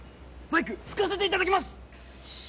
バイク拭かせていただきます！